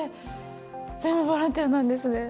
全部ボランティアなんですね。